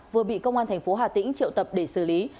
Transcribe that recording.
vừa bị công an tp htn triệu tập để xử lý